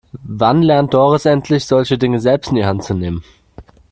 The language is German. Wann lernt Doris endlich, solche Dinge selbst in die Hand zu nehmen?